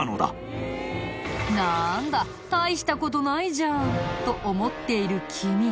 なーんだ大した事ないじゃんと思っている君。